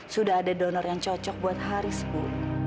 sudah ada donor yang cocok buat haris bu